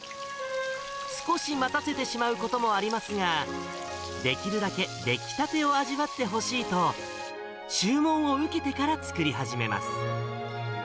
少し待たせてしまうこともありますが、できるだけ出来立てを味わってほしいと、注文を受けてから作り始めます。